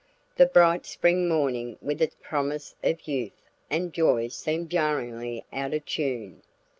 The bright spring morning with its promise of youth and joy seemed jarringly out of tune.